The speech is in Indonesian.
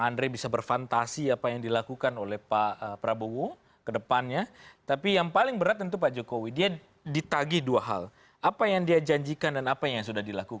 karena kita harus break dulu